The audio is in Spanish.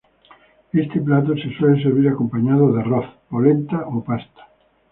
Este plato se suele servir acompañado de arroz, polenta o pasta.